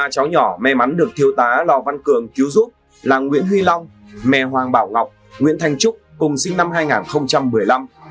ba cháu nhỏ may mắn được thiếu tá lò văn cường cứu giúp là nguyễn huy long mẹ hoàng bảo ngọc nguyễn thanh trúc cùng sinh năm hai nghìn một mươi năm